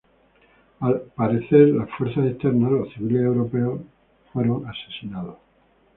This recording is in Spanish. Al parecer, las fuerzas externas, los civiles europeos fueron asesinados.